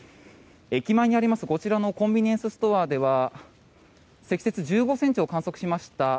駅前にあります、こちらのコンビニエンスストアでは積雪１５ｃｍを観測しました